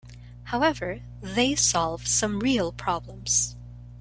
However, they solve some real problems.